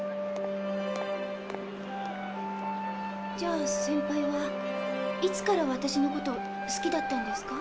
じゃあセンパイはいつから私のこと好きだったんですか？